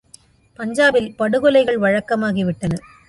பஞ்சாபில் படுகொலைகள் வழக்கமாகி விட்டன.